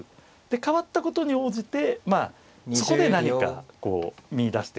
で変わったことに応じてそこで何かこう見いだしてくというようなね。